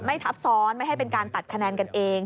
ทับซ้อนไม่ให้เป็นการตัดคะแนนกันเอง